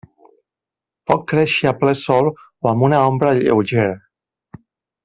Pot créixer a ple sol o amb una ombra lleugera.